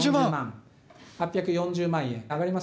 ８４０万円上がりましたね。